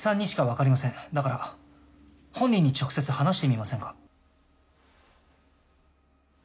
だから本人に直接話してみませんか？